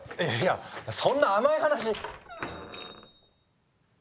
そんな甘い話。